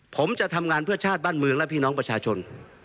ผมจะทำงานเพื่อชาติบ้านเมืองและพี่น้องประชาชน